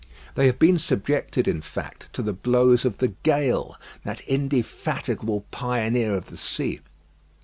They have been subjected, in fact, to the blows of the gale, that indefatigable pioneer of the sea.